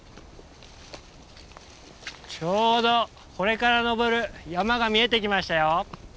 ちょうどこれから登る山が見えてきましたよ。